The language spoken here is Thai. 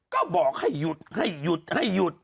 ก็บอกให้หยุดให้หยุดให้หยุด